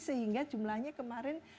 sehingga jumlahnya kemarin